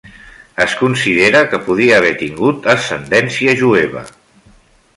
Es considera que podia haver tingut ascendència jueva.